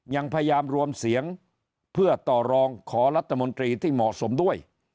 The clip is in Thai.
ยังพยายามรวมเสียงเพื่อต่อรองขอรัฐมนตรีที่เหมาะสมด้วย